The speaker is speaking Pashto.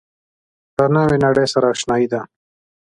له نوې نړۍ سره آشنايي ده.